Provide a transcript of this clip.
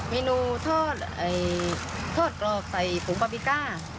เมนูทอดกรอกใส่ผงบาปิก้า